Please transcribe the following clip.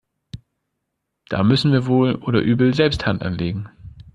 Da müssen wir wohl oder übel selbst Hand anlegen.